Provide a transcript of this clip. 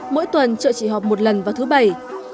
mỗi tuần chợ chỉ họp một lần vào thứ bảy